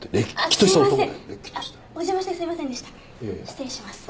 失礼します。